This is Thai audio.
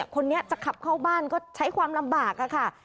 คนนี้จะขับเข้าบ้านก็ใช้ความลำบากค่ะ